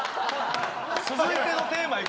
続いてのテーマい